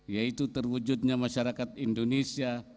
yaitu terwujudnya masyarakat indonesia